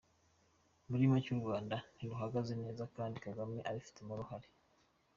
Muri make u Rwanda ntiruhagaze neza kandi Kagame abifitemo uruhare.